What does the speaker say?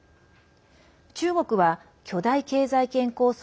中国は巨大経済圏構想